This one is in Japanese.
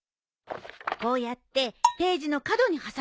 こうやってページの角に挟むの。